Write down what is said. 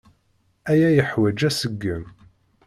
Aya yeḥwaǧ aseggem.